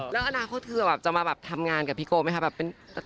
แล้วอนาคตคือจะมาทำงานกับพี่โกอย่าไงครับ